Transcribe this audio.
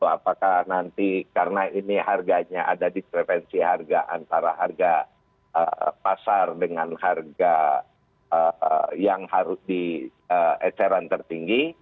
apakah nanti karena ini harganya ada di frevensi harga antara harga pasar dengan harga yang harus di eceran tertinggi